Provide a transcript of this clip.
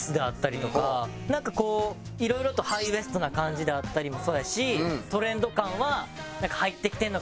なんかこういろいろとハイウエストな感じであったりもそうやしトレンド感は入ってきてるのかな。